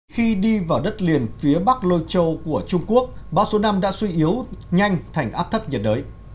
khi đi vào đất liền phía bắc lôi châu của trung quốc bão số năm đã suy yếu nhanh thành áp thấp nhiệt đới